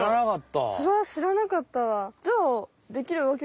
それは知らなかったわ！